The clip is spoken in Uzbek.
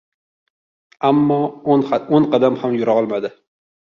Ammo o‘n qadam ham yurolmadi.